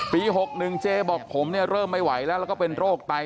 ๖๑เจบอกผมเนี่ยเริ่มไม่ไหวแล้วแล้วก็เป็นโรคไต